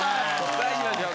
さあいきましょう。